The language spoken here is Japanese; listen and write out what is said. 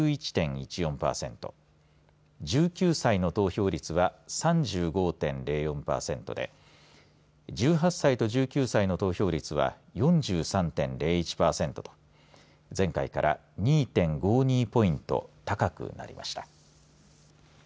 １９歳の投票率は３５．０４パーセントで１８歳と１９歳の投票率は４３．０１パーセントと前回から２．５２ポイント高くなりました。